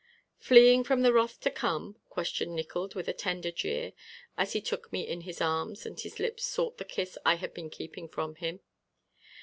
"Fleeing from the wrath to come?" questioned Nickols with a tender jeer as he took me in his arms and his lips sought the kiss I had been keeping from him.